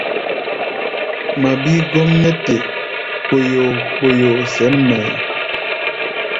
Ŋma bíí gɔ́m nɛ́ te kpoyoo-kpoyoo sɛ̌n mɛʼí̧.